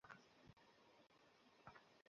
বেশ, তুমি খেলতে চাও তো?